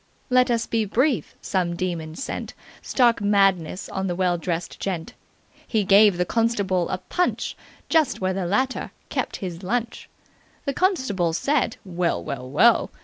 Let us be brief. Some demon sent stark madness on the well dressed gent. He gave the constable a punch just where the latter kept his lunch. The constable said 'Well! Well! Well!'